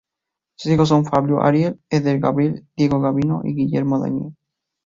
Sus hijos son: Flavio Ariel, Eder Gabriel, Diego Gabino y Guillermo Daniel.